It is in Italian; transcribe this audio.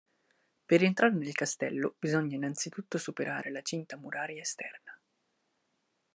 Per entrare nel castello bisogna innanzitutto superare la cinta muraria esterna.